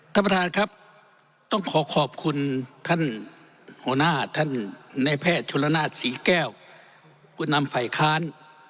ท่านประธานครับต้องขอขอบคุณท่านหัวหน้าท่านนายแพทย์ชุณนาศสีแก้วคุณนำไฝค้าน